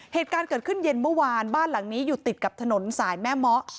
เหตุการณ์เกิดขึ้นเย็นเมื่อวานบ้านหลังนี้อยู่ติดกับถนนสายแม่เมาะ